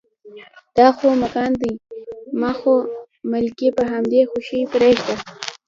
دا خو ملکان دي، ما خو ملکي په همدې خوشې پرېنښوده.